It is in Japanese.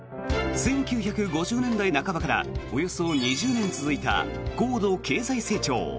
１９５０年代半ばからおよそ２０年続いた高度経済成長。